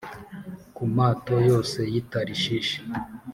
ku mato yose y’i Tarishishi